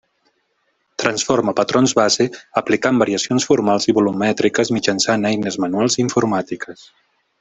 Transforma patrons base aplicant variacions formals i volumètriques mitjançant eines manuals i informàtiques.